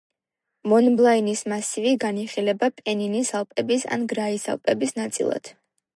მონბლანის მასივი განიხილება პენინის ალპების ან გრაის ალპების ნაწილად.